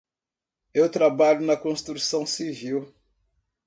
Eu trabalho na construção civil.